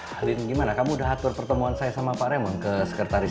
salin gimana kamu jahat perpuluhan saya sama cewek memiliki fried arriba